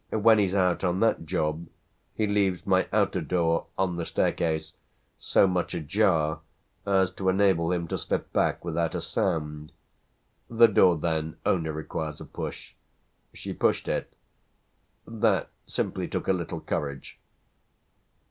When he's out on that job he leaves my outer door, on the staircase, so much ajar as to enable him to slip back without a sound. The door then only requires a push. She pushed it that simply took a little courage."